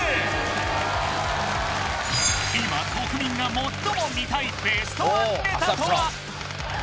今国民が最も見たいベストワンネタとは？